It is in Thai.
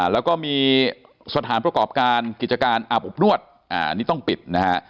แล้วก็มีสถานประกอบการกิจการอาบอบนวดอันนี้ต้องปิดนะฮะ